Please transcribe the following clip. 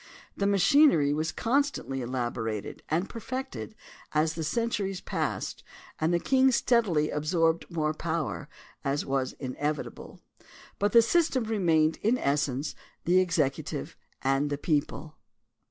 The machinery was constantly elaborated and perfected as the centuries passed and the king steadily absorbed more power, as was inevitable, but the system remained in essence the executive and the people.